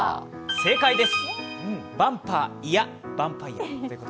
正解です。